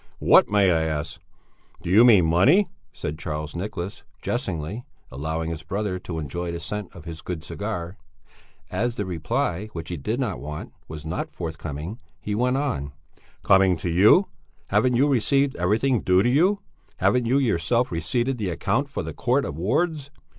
"What, may I ask? Do you mean money?" said Charles Nicholas, jestingly, allowing his brother to enjoy the scent of his good cigar. As the reply, which he did not want, was not forthcoming, he went on: "Coming to you? Haven't you received everything due to you? Haven't you yourself receipted the account for the Court of Wards?